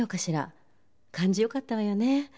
感じよかったわよね。